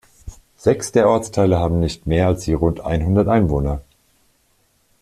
Sechs der Ortsteile haben nicht mehr als je rund einhundert Einwohner.